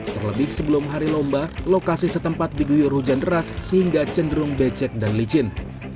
terlebih sebelum hari lomba lokasi setempat diguyur hujan deras sehingga cenderung becek dan licin